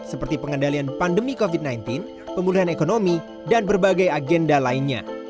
seperti pengendalian pandemi covid sembilan belas pemulihan ekonomi dan berbagai agenda lainnya